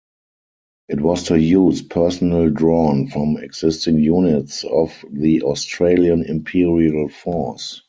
It was to use personnel drawn from existing units of the Australian Imperial Force.